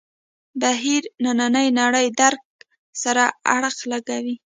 بهیر نننۍ نړۍ درک سره اړخ لګوي.